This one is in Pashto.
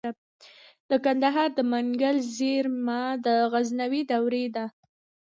د کندهار د منگل زیرمه د غزنوي دورې ده